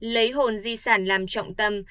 lấy hồn di sản làm trọng tâm